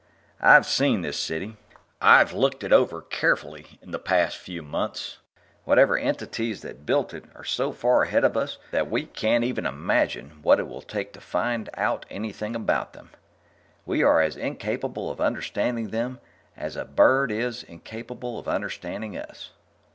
I've seen this City. I've looked it over carefully in the past few months. Whatever entities built it are so far ahead of us that we can't even imagine what it will take to find out anything about them. We are as incapable of understanding them as a bird is incapable of understanding us."